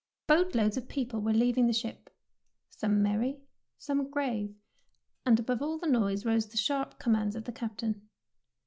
Boatloads of people were leaving the ship, some merry, some grave, and above all the noise rose the sharp com mands of the Captain.